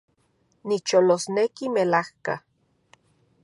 Nicholosneki, melajka